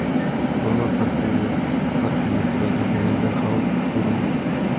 Forma parte del parque natural regional del Haut-Jura.